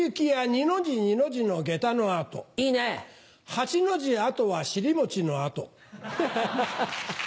八の字跡は尻もちの跡。